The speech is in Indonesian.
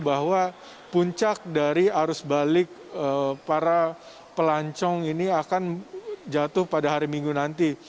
bahwa puncak dari arus balik para pelancong ini akan jatuh pada hari minggu nanti